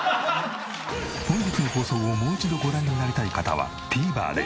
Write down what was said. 本日の放送をもう一度ご覧になりたい方はＴＶｅｒで。